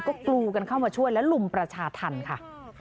ก็กรูกันเข้ามาช่วยและลุมประชาธรรมค่ะ